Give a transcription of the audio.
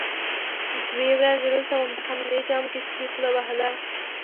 _دوې ورځې دلته وم، په همدې جام کې سپي خوله وهله.